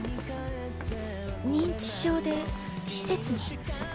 認知症で施設に。